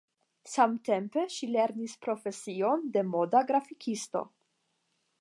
Samtempe ŝi lernis la profesion de moda grafikisto.